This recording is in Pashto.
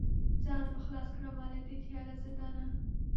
ځان به خلاص کړمه له دې تیاره زندانه